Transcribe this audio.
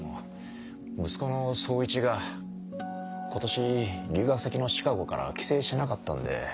息子の総一が今年留学先のシカゴから帰省しなかったんで。